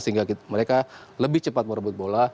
sehingga mereka lebih cepat merebut bola